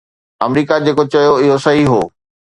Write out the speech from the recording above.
آمريڪا جيڪو چيو اهو صحيح هو.